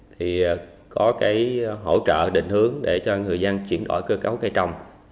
thì có cái hỗ trợ định hướng để cho người dân chuyển đổi cơ cấu cây trồng